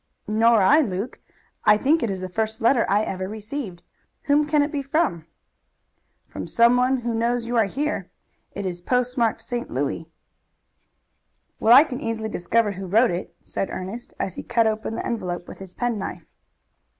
"Nor I, Luke. I think it is the first letter I ever received. Whom can it be from?" "From some one who knows you are here. It is post marked St. Louis." "Well, I can easily discover who wrote it," said Ernest, as he cut open the envelope with his penknife.